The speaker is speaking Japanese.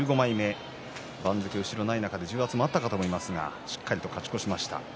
番付が後ろになく重圧もあったかと思いますがしっかりと勝ち越しました。